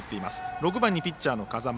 ６番にピッチャー、風間。